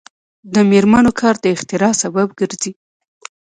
د میرمنو کار د اختراع سبب ګرځي.